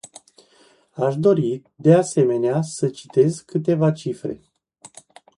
Aș dori, de asemenea, să citez câteva cifre.